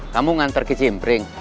kamu ngantar ke cimpring